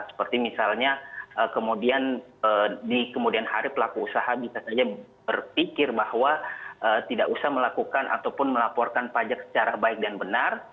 seperti misalnya kemudian di kemudian hari pelaku usaha bisa saja berpikir bahwa tidak usah melakukan ataupun melaporkan pajak secara baik dan benar